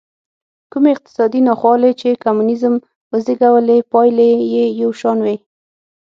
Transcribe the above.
کومې اقتصادي ناخوالې چې کمونېزم وزېږولې پایلې یې یو شان وې.